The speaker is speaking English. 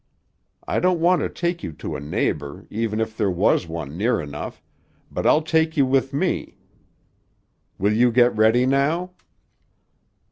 I don't want to take you to a neighbor, even if there was one near enough, but I'll take you with me. Will you get ready now?"